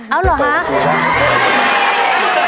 เอาเหรอฮะ